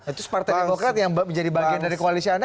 itu partai demokrat yang menjadi bagian dari koalisi anda